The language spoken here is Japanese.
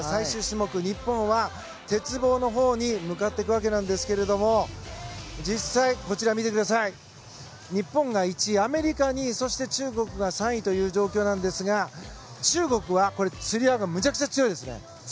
日本は鉄棒に向かっていくわけなんですが日本が１位、アメリカが２位中国が３位という状況なんですが中国はつり輪が強いですね。